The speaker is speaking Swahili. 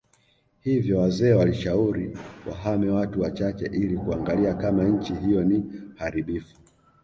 Hivyo wazee walishauri wahame watu wachache ili kuangalia kama nchii hiyo ni haribifu